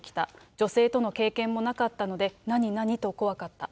女性との経験もなかったので、何々？と怖かった。